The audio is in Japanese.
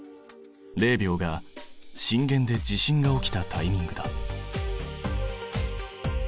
０秒が震源で地震が起きたタイミングだ。